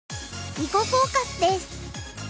「囲碁フォーカス」です。